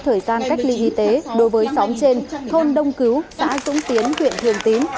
thời gian cách ly y tế đối với xóm trên thôn đông cứu xã dũng tiến huyện thường tín